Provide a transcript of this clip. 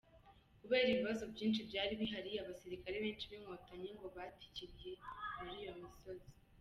Kubera ibibazo byinshi byari bihari, abasirikare benshi b’inkotanyi ngo batikiriye muri iyo misozi.